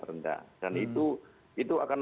rendah dan itu akan